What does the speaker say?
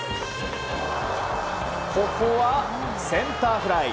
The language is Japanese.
ここは、センターフライ。